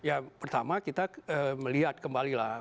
ya pertama kita melihat kembali lah